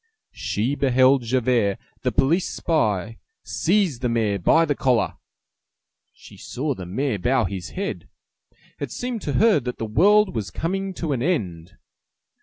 She beheld Javert, the police spy, seize the mayor by the collar; she saw the mayor bow his head. It seemed to her that the world was coming to an end.